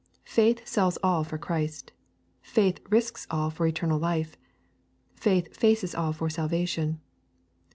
Faith sells all for Christ. Faith risks all for eternal life. Faith faces all for salvation.